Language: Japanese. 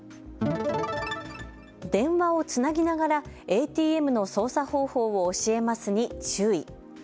電話をつなぎながらＡＴＭの操作方法を教えますに注意。